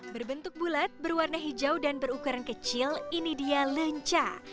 berbentuk bulat berwarna hijau dan berukuran kecil ini dia lenca